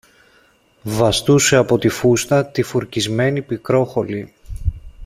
βαστούσε από τη φούστα τη φουρκισμένη Πικρόχολη.